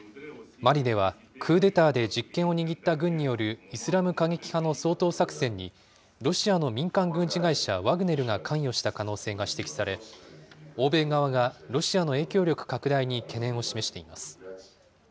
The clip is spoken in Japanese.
マリでは、クーデターで実権を握った軍によるイスラム過激派の掃討作戦に、ロシアの民間軍事会社、ワグネルが関与した可能性が指摘され、欧米側がロシアの影響力拡大に懸念を示しています。